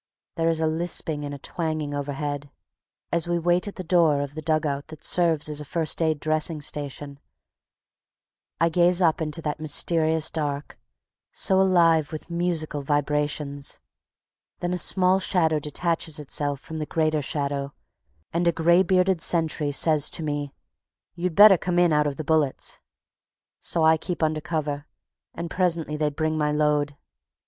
There is a lisping and a twanging overhead. As we wait at the door of the dugout that serves as a first aid dressing station, I gaze up into that mysterious dark, so alive with musical vibrations. Then a small shadow detaches itself from the greater shadow, and a gray bearded sentry says to me: "You'd better come in out of the bullets." So I keep under cover, and presently they bring my load.